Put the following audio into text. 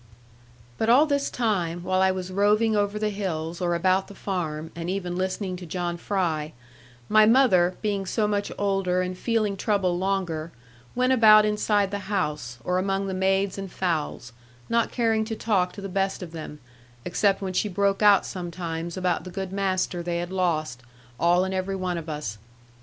But all this time, while I was roving over the hills or about the farm, and even listening to John Fry, my mother, being so much older and feeling trouble longer, went about inside the house, or among the maids and fowls, not caring to talk to the best of them, except when she broke out sometimes about the good master they had lost, all and every one of us.